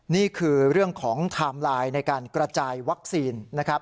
นี่คือเรื่องของไทม์ไลน์ในการกระจายวัคซีนนะครับ